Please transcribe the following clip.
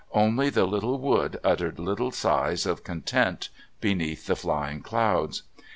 Only the little wood uttered little sighs of content beneath the flying clouds.